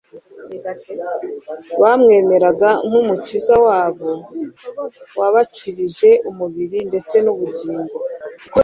Bamwemeraga nk'Umukiza wabo wabakirije umubiri ndetse n'ubugingo.